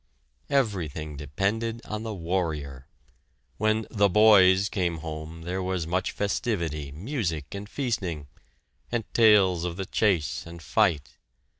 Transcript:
Everything depended on the warrior. When "the boys" came home there was much festivity, music, and feasting, and tales of the chase and fight.